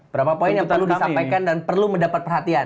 berapa poin yang perlu disampaikan dan perlu mendapat perhatian